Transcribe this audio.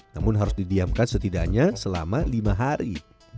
namun harus didiamkan setidaknya selama lima hari